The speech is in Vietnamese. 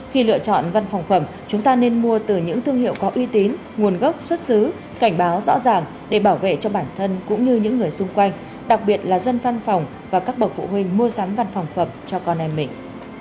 khi lựa chọn văn phòng phẩm chúng ta nên mua từ những thương hiệu có uy tín nguồn gốc xuất xứ cảnh báo rõ ràng để bảo vệ cho bản thân cũng như những người xung quanh đặc biệt là dân văn phòng và các bậc phụ huynh mua sắm văn phòng phẩm cho con em mình